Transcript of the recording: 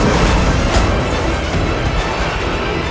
aku harus mengerahkan seluruh kemampuanku